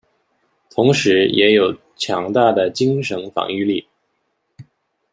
同时也有强大的精神防御力。